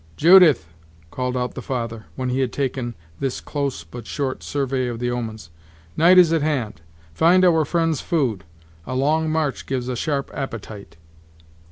"Judith," called out the father, when he had taken this close but short survey of the omens, "night is at hand; find our friends food; a long march gives a sharp appetite."